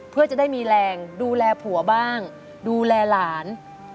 เพื่อจะได้มีแรงดูแลผัวบ้างดูแลหลาน